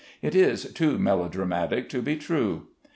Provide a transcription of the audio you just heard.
It is too melodramatic to be true.